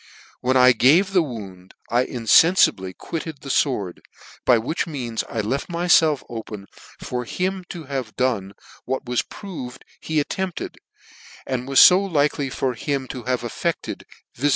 ." When 1 gave the wound, I infenfibly quitted the fword, by which means I left myfelf open for him to have done what was proved he attempted, and was fo likely for him to have effected, viz.